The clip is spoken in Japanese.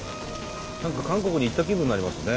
何か韓国に行った気分になりますね。